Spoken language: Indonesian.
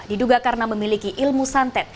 diduga karena memiliki ilmu santet